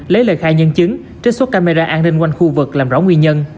lấy lời khai nhân chứng trích xuất camera an ninh quanh khu vực làm rõ nguyên nhân